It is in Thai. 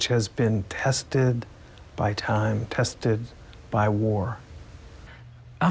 จากทุกคนที่มีเกี่ยวกับชิงหา